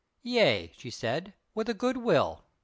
"Yea," she said, "with a good will."